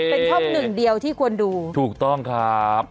เป็นช่องหนึ่งเดียวที่ควรดูถูกต้องครับ